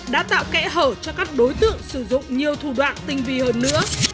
đã tạo kẽ hở cho các đối tượng sử dụng nhiều thủ đoạn tinh vi hơn nữa